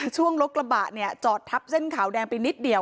ช่วงรถกระบะเนี่ยจอดทับเส้นขาวแดงไปนิดเดียว